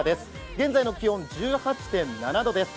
現在の気温１８．７度です。